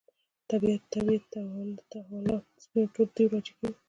طبیعت تحولات سپین تور دېو راجع کوي.